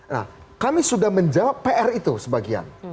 nah kami sudah menjawab pr itu sebagian